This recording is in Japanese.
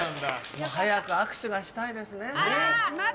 早く握手がしたいですね。